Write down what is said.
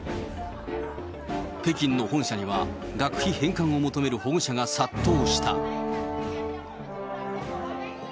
北京の本社には学費返還を求める保護者が殺到した。